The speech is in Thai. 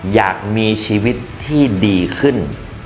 อยากมีชีวิตที่ดีขึ้น